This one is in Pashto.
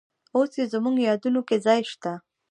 اوس یې زموږ یادونو کې ځای شته.